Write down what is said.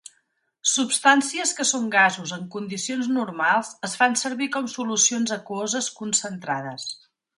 Substàncies que són gasos en condicions normals es fan servir com solucions aquoses concentrades.